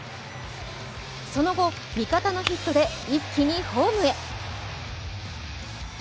その後、味方のヒットで一気にホームへ。